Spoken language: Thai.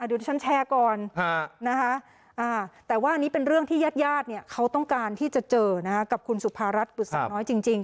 เดี๋ยวที่ฉันแชร์ก่อนแต่ว่าอันนี้เป็นเรื่องที่ญาติญาติเนี่ยเขาต้องการที่จะเจอกับคุณสุภารัฐบุษาน้อยจริง